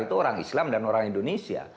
itu orang islam dan orang indonesia